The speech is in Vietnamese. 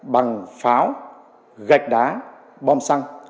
bằng pháo gạch đá bom xăng